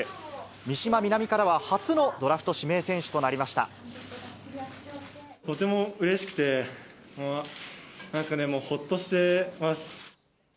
三島南からは初のドラフト指名選とてもうれしくて、なんですかね、ほっとしてます。